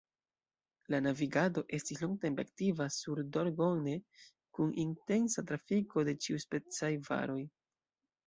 La navigado estis longtempe aktiva sur Dordogne, kun intensa trafiko de ĉiuspecaj varoj.